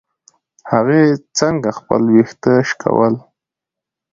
هغې څنګه خپل ويښته شکول.